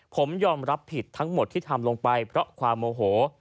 ผมยอมรับผิดทั้งหมดที่ทำลงไปเพราะความโมโห